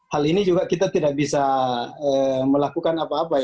hal ini juga kita tidak bisa lakukan